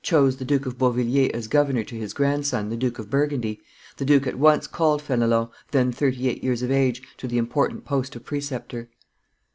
chose the Duke of Beauvilliers as governor to his grandson, the Duke of Burgundy, the duke at once called Fenelon, then thirty eight years of age, to the important post of preceptor.